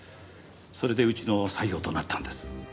それでうちの採用となったんです。